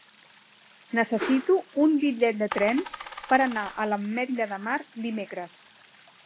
Necessito un bitllet de tren per anar a l'Ametlla de Mar dimecres.